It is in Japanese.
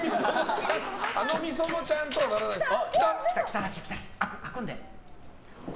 あのｍｉｓｏｎｏちゃんとはならないです。